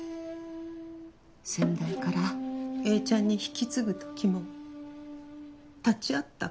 先代からえいちゃんに引き継ぐときも立ち会った